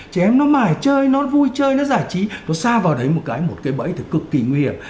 trẻ em nó mải chơi nó vui chơi nó giải trí nó xa vào đấy một cái một cái bẫy thật cực kỳ nguy hiểm